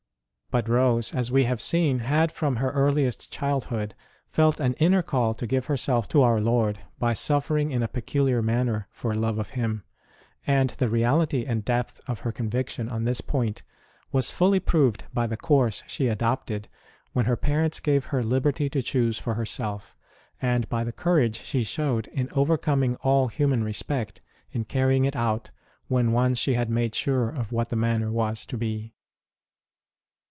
But Rose, as we have seen, had from her earliest childhood felt an inner call to give herself to Our Lord by suffering in a peculiar manner for love of Him; and the reality and depth of her conviction on this point was fully proved by the course she adopted when her parents gave her liberty to choose for herself, and by the courage she showed in overcoming all human respect in carrying it out when once she had made sure of what the manner was to be.